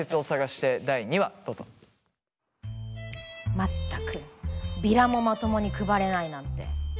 全くビラもまともに配れないなんて。